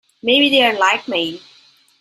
Maybe they're like me.